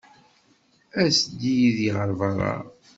As-d yid-i ɣer beṛṛa.